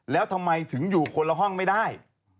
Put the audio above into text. แล้วทำไมถึงอยู่คนละห้องไม่ได้